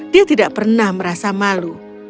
dia tidak pernah merasa malu